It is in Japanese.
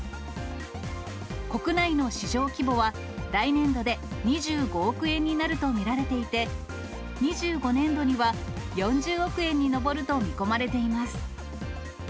国内の市場規模は、来年度で２５億円になると見られていて、２５年度には４０億円に上ると見込まれています。